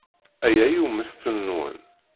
Aya i ummesten-nwen.